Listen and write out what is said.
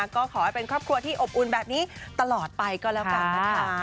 ก็ขอให้เป็นครอบครัวที่อบอุ่นแบบนี้ตลอดไปก็แล้วกันนะคะ